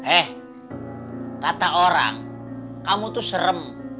eh kata orang kamu tuh serem